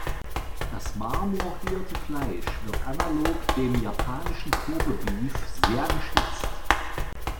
Das marmorierte Fleisch wird analog dem japanischen Kobe-Beef sehr geschätzt.